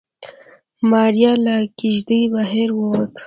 ماريا له کېږدۍ بهر ووته.